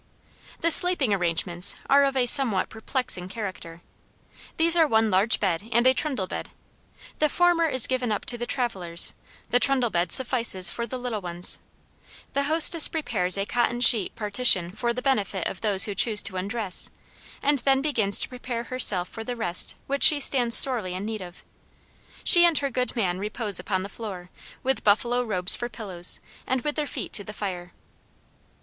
The sleeping arrangements are of a somewhat perplexing character. These are one large bed and a trundle bed, the former is given up to the travelers, the trundle bed suffices for the little ones; the hostess prepares a cotton sheet partition for the benefit of those who choose to undress, and then begins to prepare herself for the rest which she stands sorely in need of. She and her good man repose upon the floor, with buffalo robes for pillows, and with their feet to the fire.